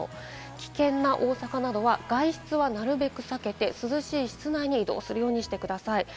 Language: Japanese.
危険な大阪などは、外出はなるべく避けて、涼しい室内に移動するようにしてください。